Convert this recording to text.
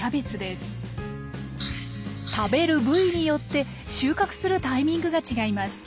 食べる部位によって収穫するタイミングが違います。